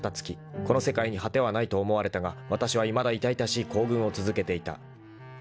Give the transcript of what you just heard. ［この世界に果てはないと思われたがわたしはいまだ痛々しい行軍を続けていた］